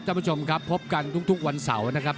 ท่านผู้ชมครับพบกันทุกวันเสาร์นะครับ